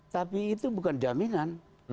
tapi itu bukan jaminan